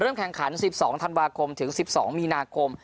เริ่มแข่งขันที่๑๒ธันวาคมถึง๑๒มีนาคม